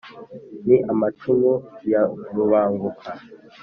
ni amacumu ya rubanguka,